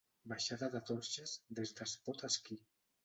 Baixada de Torxes des d'Espot-Esquí.